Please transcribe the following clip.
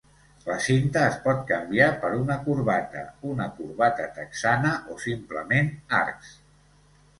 La cinta es pot canviar per una corbata, una corbata texana o simplement arcs.